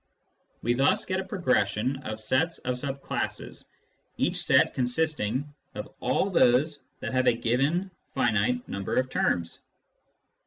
We thus get a progression of sets of sub classes, each set consisting of all those that have a certain given finite number of terms.